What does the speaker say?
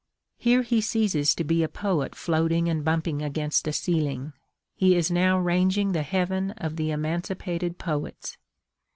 Here he ceases to be a poet floating and bumping against a ceiling. He is now ranging the heaven of the emancipated poets.